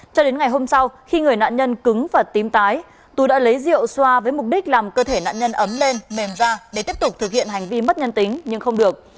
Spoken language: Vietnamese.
cho đến ngày hôm sau khi người nạn nhân cứng và tím tái tú đã lấy rượu xoa với mục đích làm cơ thể nạn nhân ấm lên mềm ra để tiếp tục thực hiện hành vi mất nhân tính nhưng không được